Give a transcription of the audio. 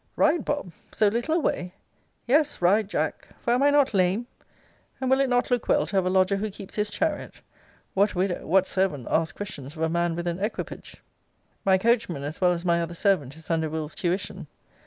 'Ride, Bob! so little a way?' Yes, ride, Jack; for am I not lame? And will it not look well to have a lodger who keeps his chariot? What widow, what servant, asks questions of a man with an equipage? My coachman, as well as my other servant, is under Will.'s tuition.